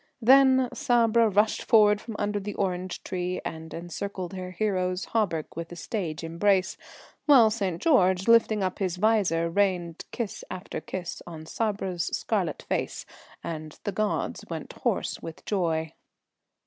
Then Sabra rushed forward from under the orange tree and encircled her hero's hauberk with a stage embrace, while St. George, lifting up his visor, rained kiss after kiss on Sabra's scarlet face, and the "gods" went hoarse with joy.